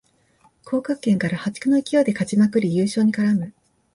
降格圏から破竹の勢いで勝ちまくり優勝に絡む